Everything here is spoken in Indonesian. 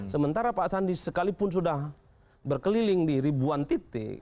sementara pak sandi sekalipun sudah berkeliling di ribuan titik